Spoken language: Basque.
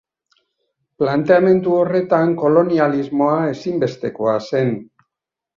Planteamendu horretan Kolonialismoa ezinbestekoa zen.